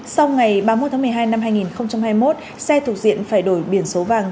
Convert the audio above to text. sau ngày ba mươi một tháng một mươi hai năm hai nghìn hai mươi một xe thuộc diện phải đổi biển số vàng